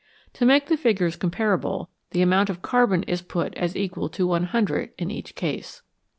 To make the figures com parable, the amount of carbon is put as equal to 100 in each case.